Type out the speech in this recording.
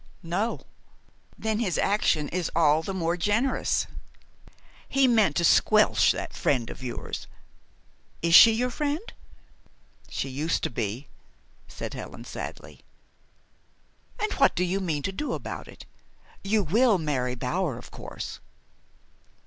"No." "Then his action was all the more generous. He meant to squelch that friend of yours is she your friend?" "She used to be," said Helen sadly. "And what do you mean to do about it? You will marry Bower, of course?"